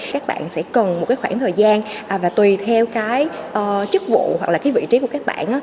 các bạn sẽ cần một khoảng thời gian và tùy theo chức vụ hoặc vị trí của các bạn